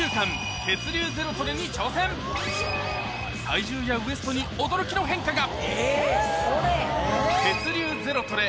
体重やウエストに驚きの変化が！